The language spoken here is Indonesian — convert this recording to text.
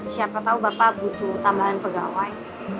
siapa tahu bapak butuh tambahan pegawai